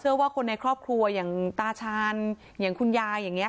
เชื่อว่าคนในครอบครัวอย่างตาชัญอย่างคุณย่าย่างเนี่ย